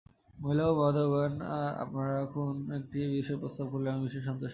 মহিলা ও মহোদয়গণ, আপনারা কোন একটি বিষয় প্রস্তাব করিলে আমি বিশেষ সন্তুষ্ট হইব।